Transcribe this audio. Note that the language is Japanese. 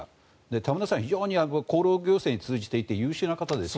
田村さんは非常に厚労行政に通じていて優秀な方です。